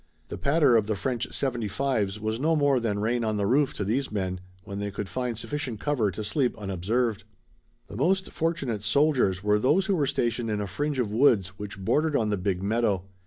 The patter of the French seventy fives was no more than rain on the roof to these men when they could find sufficient cover to sleep unobserved. The most fortunate soldiers were those who were stationed in a fringe of woods which bordered on the big meadow.